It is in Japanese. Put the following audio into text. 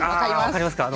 分かりますか。